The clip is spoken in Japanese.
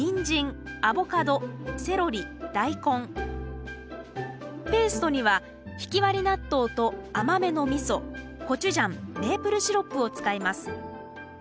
具にペーストにはひきわり納豆と甘めのみそコチュジャンメープルシロップを使います。